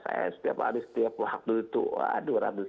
saya setiap hari setiap waktu itu aduh